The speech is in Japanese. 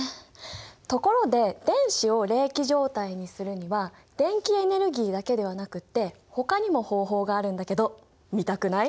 ところで電子を励起状態にするには電気エネルギーだけではなくってほかにも方法があるんだけど見たくない？